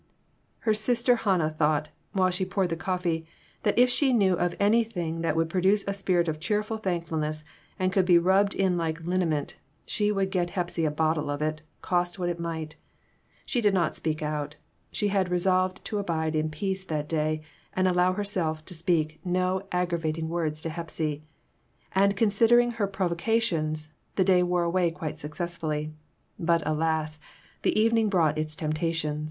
Her Sister Hannah thought, while she poured the coffee, that if she knew of anything that would produce a spirit of cheerful thankfulness, and could be rubbed in like liniment, she would get Hepsy a bottle of it, cost what it might. She did not speak it out. She had resolved to abide in peace that day, and allow herself to speak no aggravat 68 PERTURBATIONS. ing words to Hepsy. And, considering her prov ocations, the day wore away quite successfully; but alas ! the evening brought its temptation.